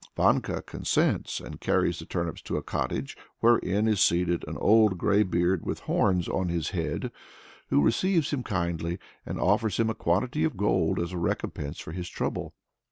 Vanka consents, and carries the turnips to a cottage, wherein is seated "an old greybeard with horns on his head," who receives him kindly and offers him a quantity of gold as a recompense for his trouble.